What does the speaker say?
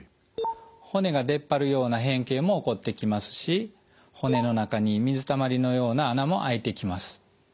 骨が出っ張るような変形も起こってきますし骨の中に水たまりのような穴もあいてきます。